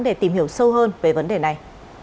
để tìm hiểu sâu hơn về vấn đề này